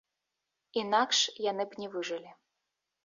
Інакш яны б не выжылі.